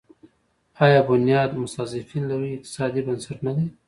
آیا بنیاد مستضعفین لوی اقتصادي بنسټ نه دی؟